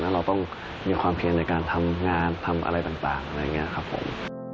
แล้วเราต้องมีความเพียงในการทำงานทำอะไรต่างอะไรอย่างนี้ครับผม